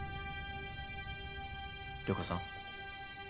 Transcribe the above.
涼子さん？